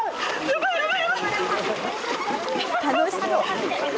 楽しそう。